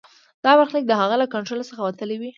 دا برخلیک د هغه له کنټرول څخه وتلی وي.